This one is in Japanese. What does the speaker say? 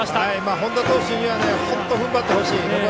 本田投手には本当ふんばってほしい。